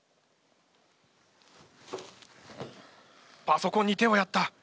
パソコンに手をやった。